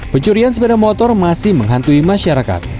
pencurian sepeda motor masih menghantui masyarakat